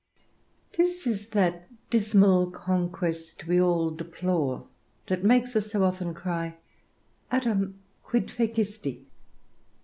This is that dismal conquest we all deplore, that makes us so often cry, "Adam, quid fecisti?"